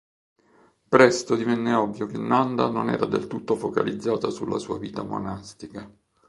Presto divenne ovvio che Nanda non era del tutto focalizzata sulla sua vita monastica.